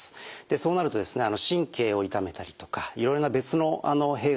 そうなると神経を痛めたりとかいろいろな別の弊害も出てきます。